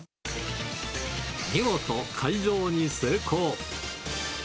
見事開錠に成功。